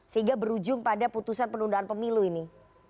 sehingga berujung pada putusan penundaan pemilu ini